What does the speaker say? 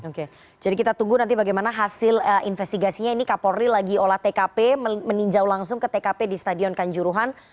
oke jadi kita tunggu nanti bagaimana hasil investigasinya ini kapolri lagi olah tkp meninjau langsung ke tkp di stadion kanjuruhan